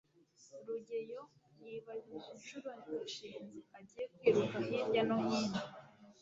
rugeyo yibajije inshuro gashinzi agiye kwiruka hirya no hino